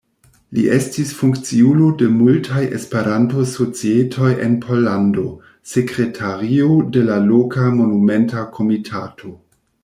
Li estis funkciulo de multaj Esperanto-Societoj en Pollando, sekretario de la Loka Monumenta Komitato.